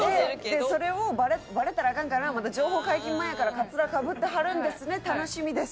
でそれをバレたらアカンからまだ情報解禁前やからカツラかぶってはるんですね楽しみです。